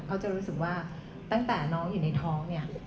เขาจะรู้สึกว่าตั้งแต่น้องอยู่ในท้องเนี่ย